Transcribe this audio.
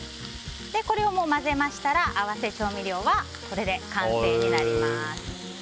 これを混ぜましたら合わせ調味料は完成になります。